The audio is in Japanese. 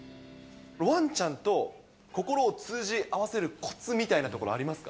わんちゃんと心を通じ合わせるこつみたいなところありますか？